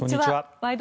「ワイド！